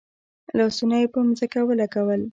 لاسونه یې پر ځمکه ولګول.